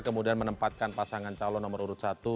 kemudian menempatkan pasangan calon nomor urut satu